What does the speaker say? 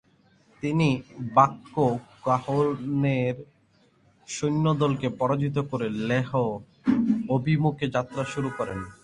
তিনি বাঙ্কো কাহ্লোনের সৈন্যদলকে পরাজিত করে লেহ অভিমুখে যাত্রা শুরু করেন।